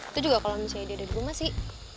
itu juga kalau misalnya dia ada di rumah sih